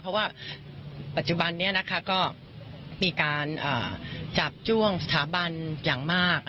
เพราะว่าปัจจุบันนี้นะคะก็มีการจับจ้วงสถาบันอย่างมาก